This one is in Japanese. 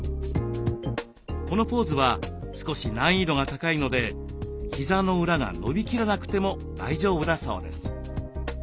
このポーズは少し難易度が高いのでひざの裏が伸びきらなくても大丈夫だそうです。